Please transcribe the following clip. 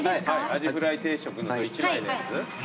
アジフライ定食１枚のやつ。